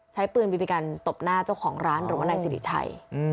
ใช้ปืนบีบีกันตบหน้าเจ้าของร้านหรือว่านายสิริชัย